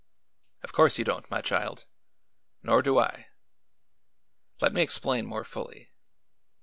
"Of course you don't, my child; nor do I. Let me explain more fully.